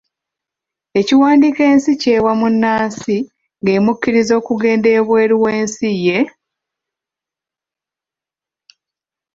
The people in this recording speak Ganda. Ekiwandiiko ensi ky'ewa munnansi ng'emukkiriza okugenda ebweru w'ensi ye.